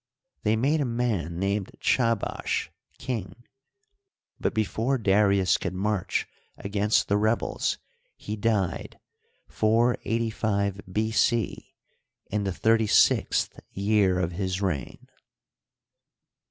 They made a man named Chabbash king; out before Darius could march against the rebels he died, 485 B. C, in the thirty sixth year of his reign.